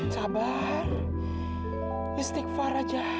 sabar istighfar aja